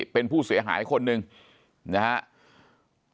เป็นผู้เสียหายคนหนึ่งนะครับ